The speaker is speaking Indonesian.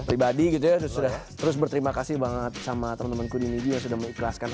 pribadi gitu ya terus berterima kasih banget sama temen temenku di media sudah mengikhlaskan